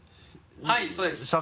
はいそうです。